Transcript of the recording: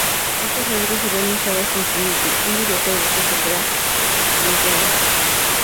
Estos rasgos serían usados en "Trinity", un videojuego que saldría al año siguiente.